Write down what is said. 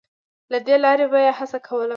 له دې لارې به یې هڅه کوله